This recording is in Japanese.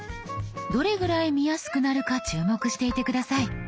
どれぐらい見やすくなるか注目していて下さい。